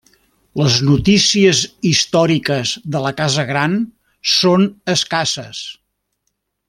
Les notícies històriques de la Casa Gran són escasses.